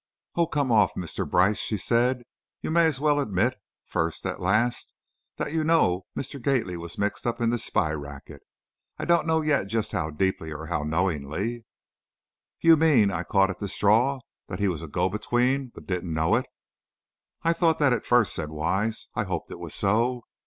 "Oh, come off, Mr. Brice," she said, "you may as well admit, first as last, that you know Mr. Gately was mixed up in this spy racket. I don't know yet just how deeply or how knowingly " "You mean," I caught at the straw, "that he was a go between, but didn't know it?" "I thought that at first," said Wise, "I hoped it was so.